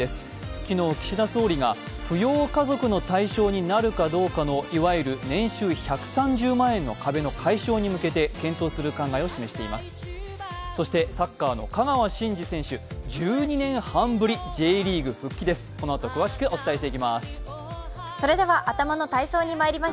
昨日岸田総理が扶養家族の対象になるかどうかのいわゆる年収１３０万円の壁の解消に向けて検討する考えを示しています。